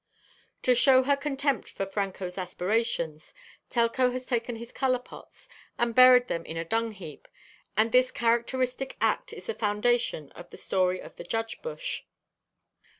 To show her contempt for Franco's aspirations, Telka has taken his color pots and buried them in a dung heap, and this characteristic act is the foundation of the "Story of the Judge Bush."